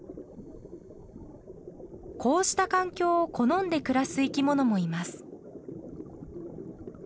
こうした環境を好んで暮らす生き物もいます。